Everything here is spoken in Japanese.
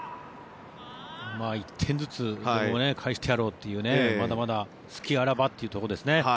１点ずつ返してやろうというまだまだ隙あらばというところですね。